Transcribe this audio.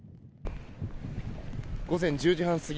午前１０時半過ぎ。